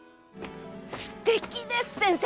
すてきです先生。